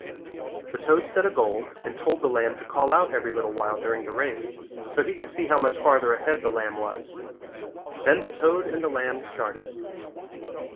The toad set a goal and told the lamb to call out every little while during the race so he could see how much farther ahead the lamb was. Then the toad and the lamb started.